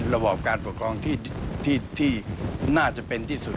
ระบอบการปกครองที่น่าจะเป็นที่สุด